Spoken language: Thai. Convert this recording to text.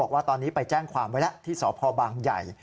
ว่าตอนนี้ไปแจ้งความไว้แล้วที่สพบางใหญ่